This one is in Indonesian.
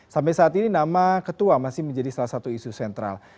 sampai saat ini nama ketua masih menjadi salah satu isu sentral